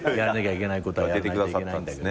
今日は出てくださったんですね。